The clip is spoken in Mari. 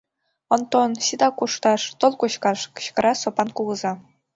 Онтон, сита кушташ, тол кочкаш! — кычкыра Сопан кугыза.